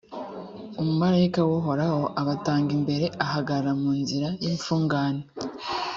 umumalayika w’uhoraho abatanga imbere, ahagarara mu nzira y’imfungane.